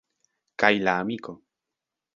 Kaj la amiko!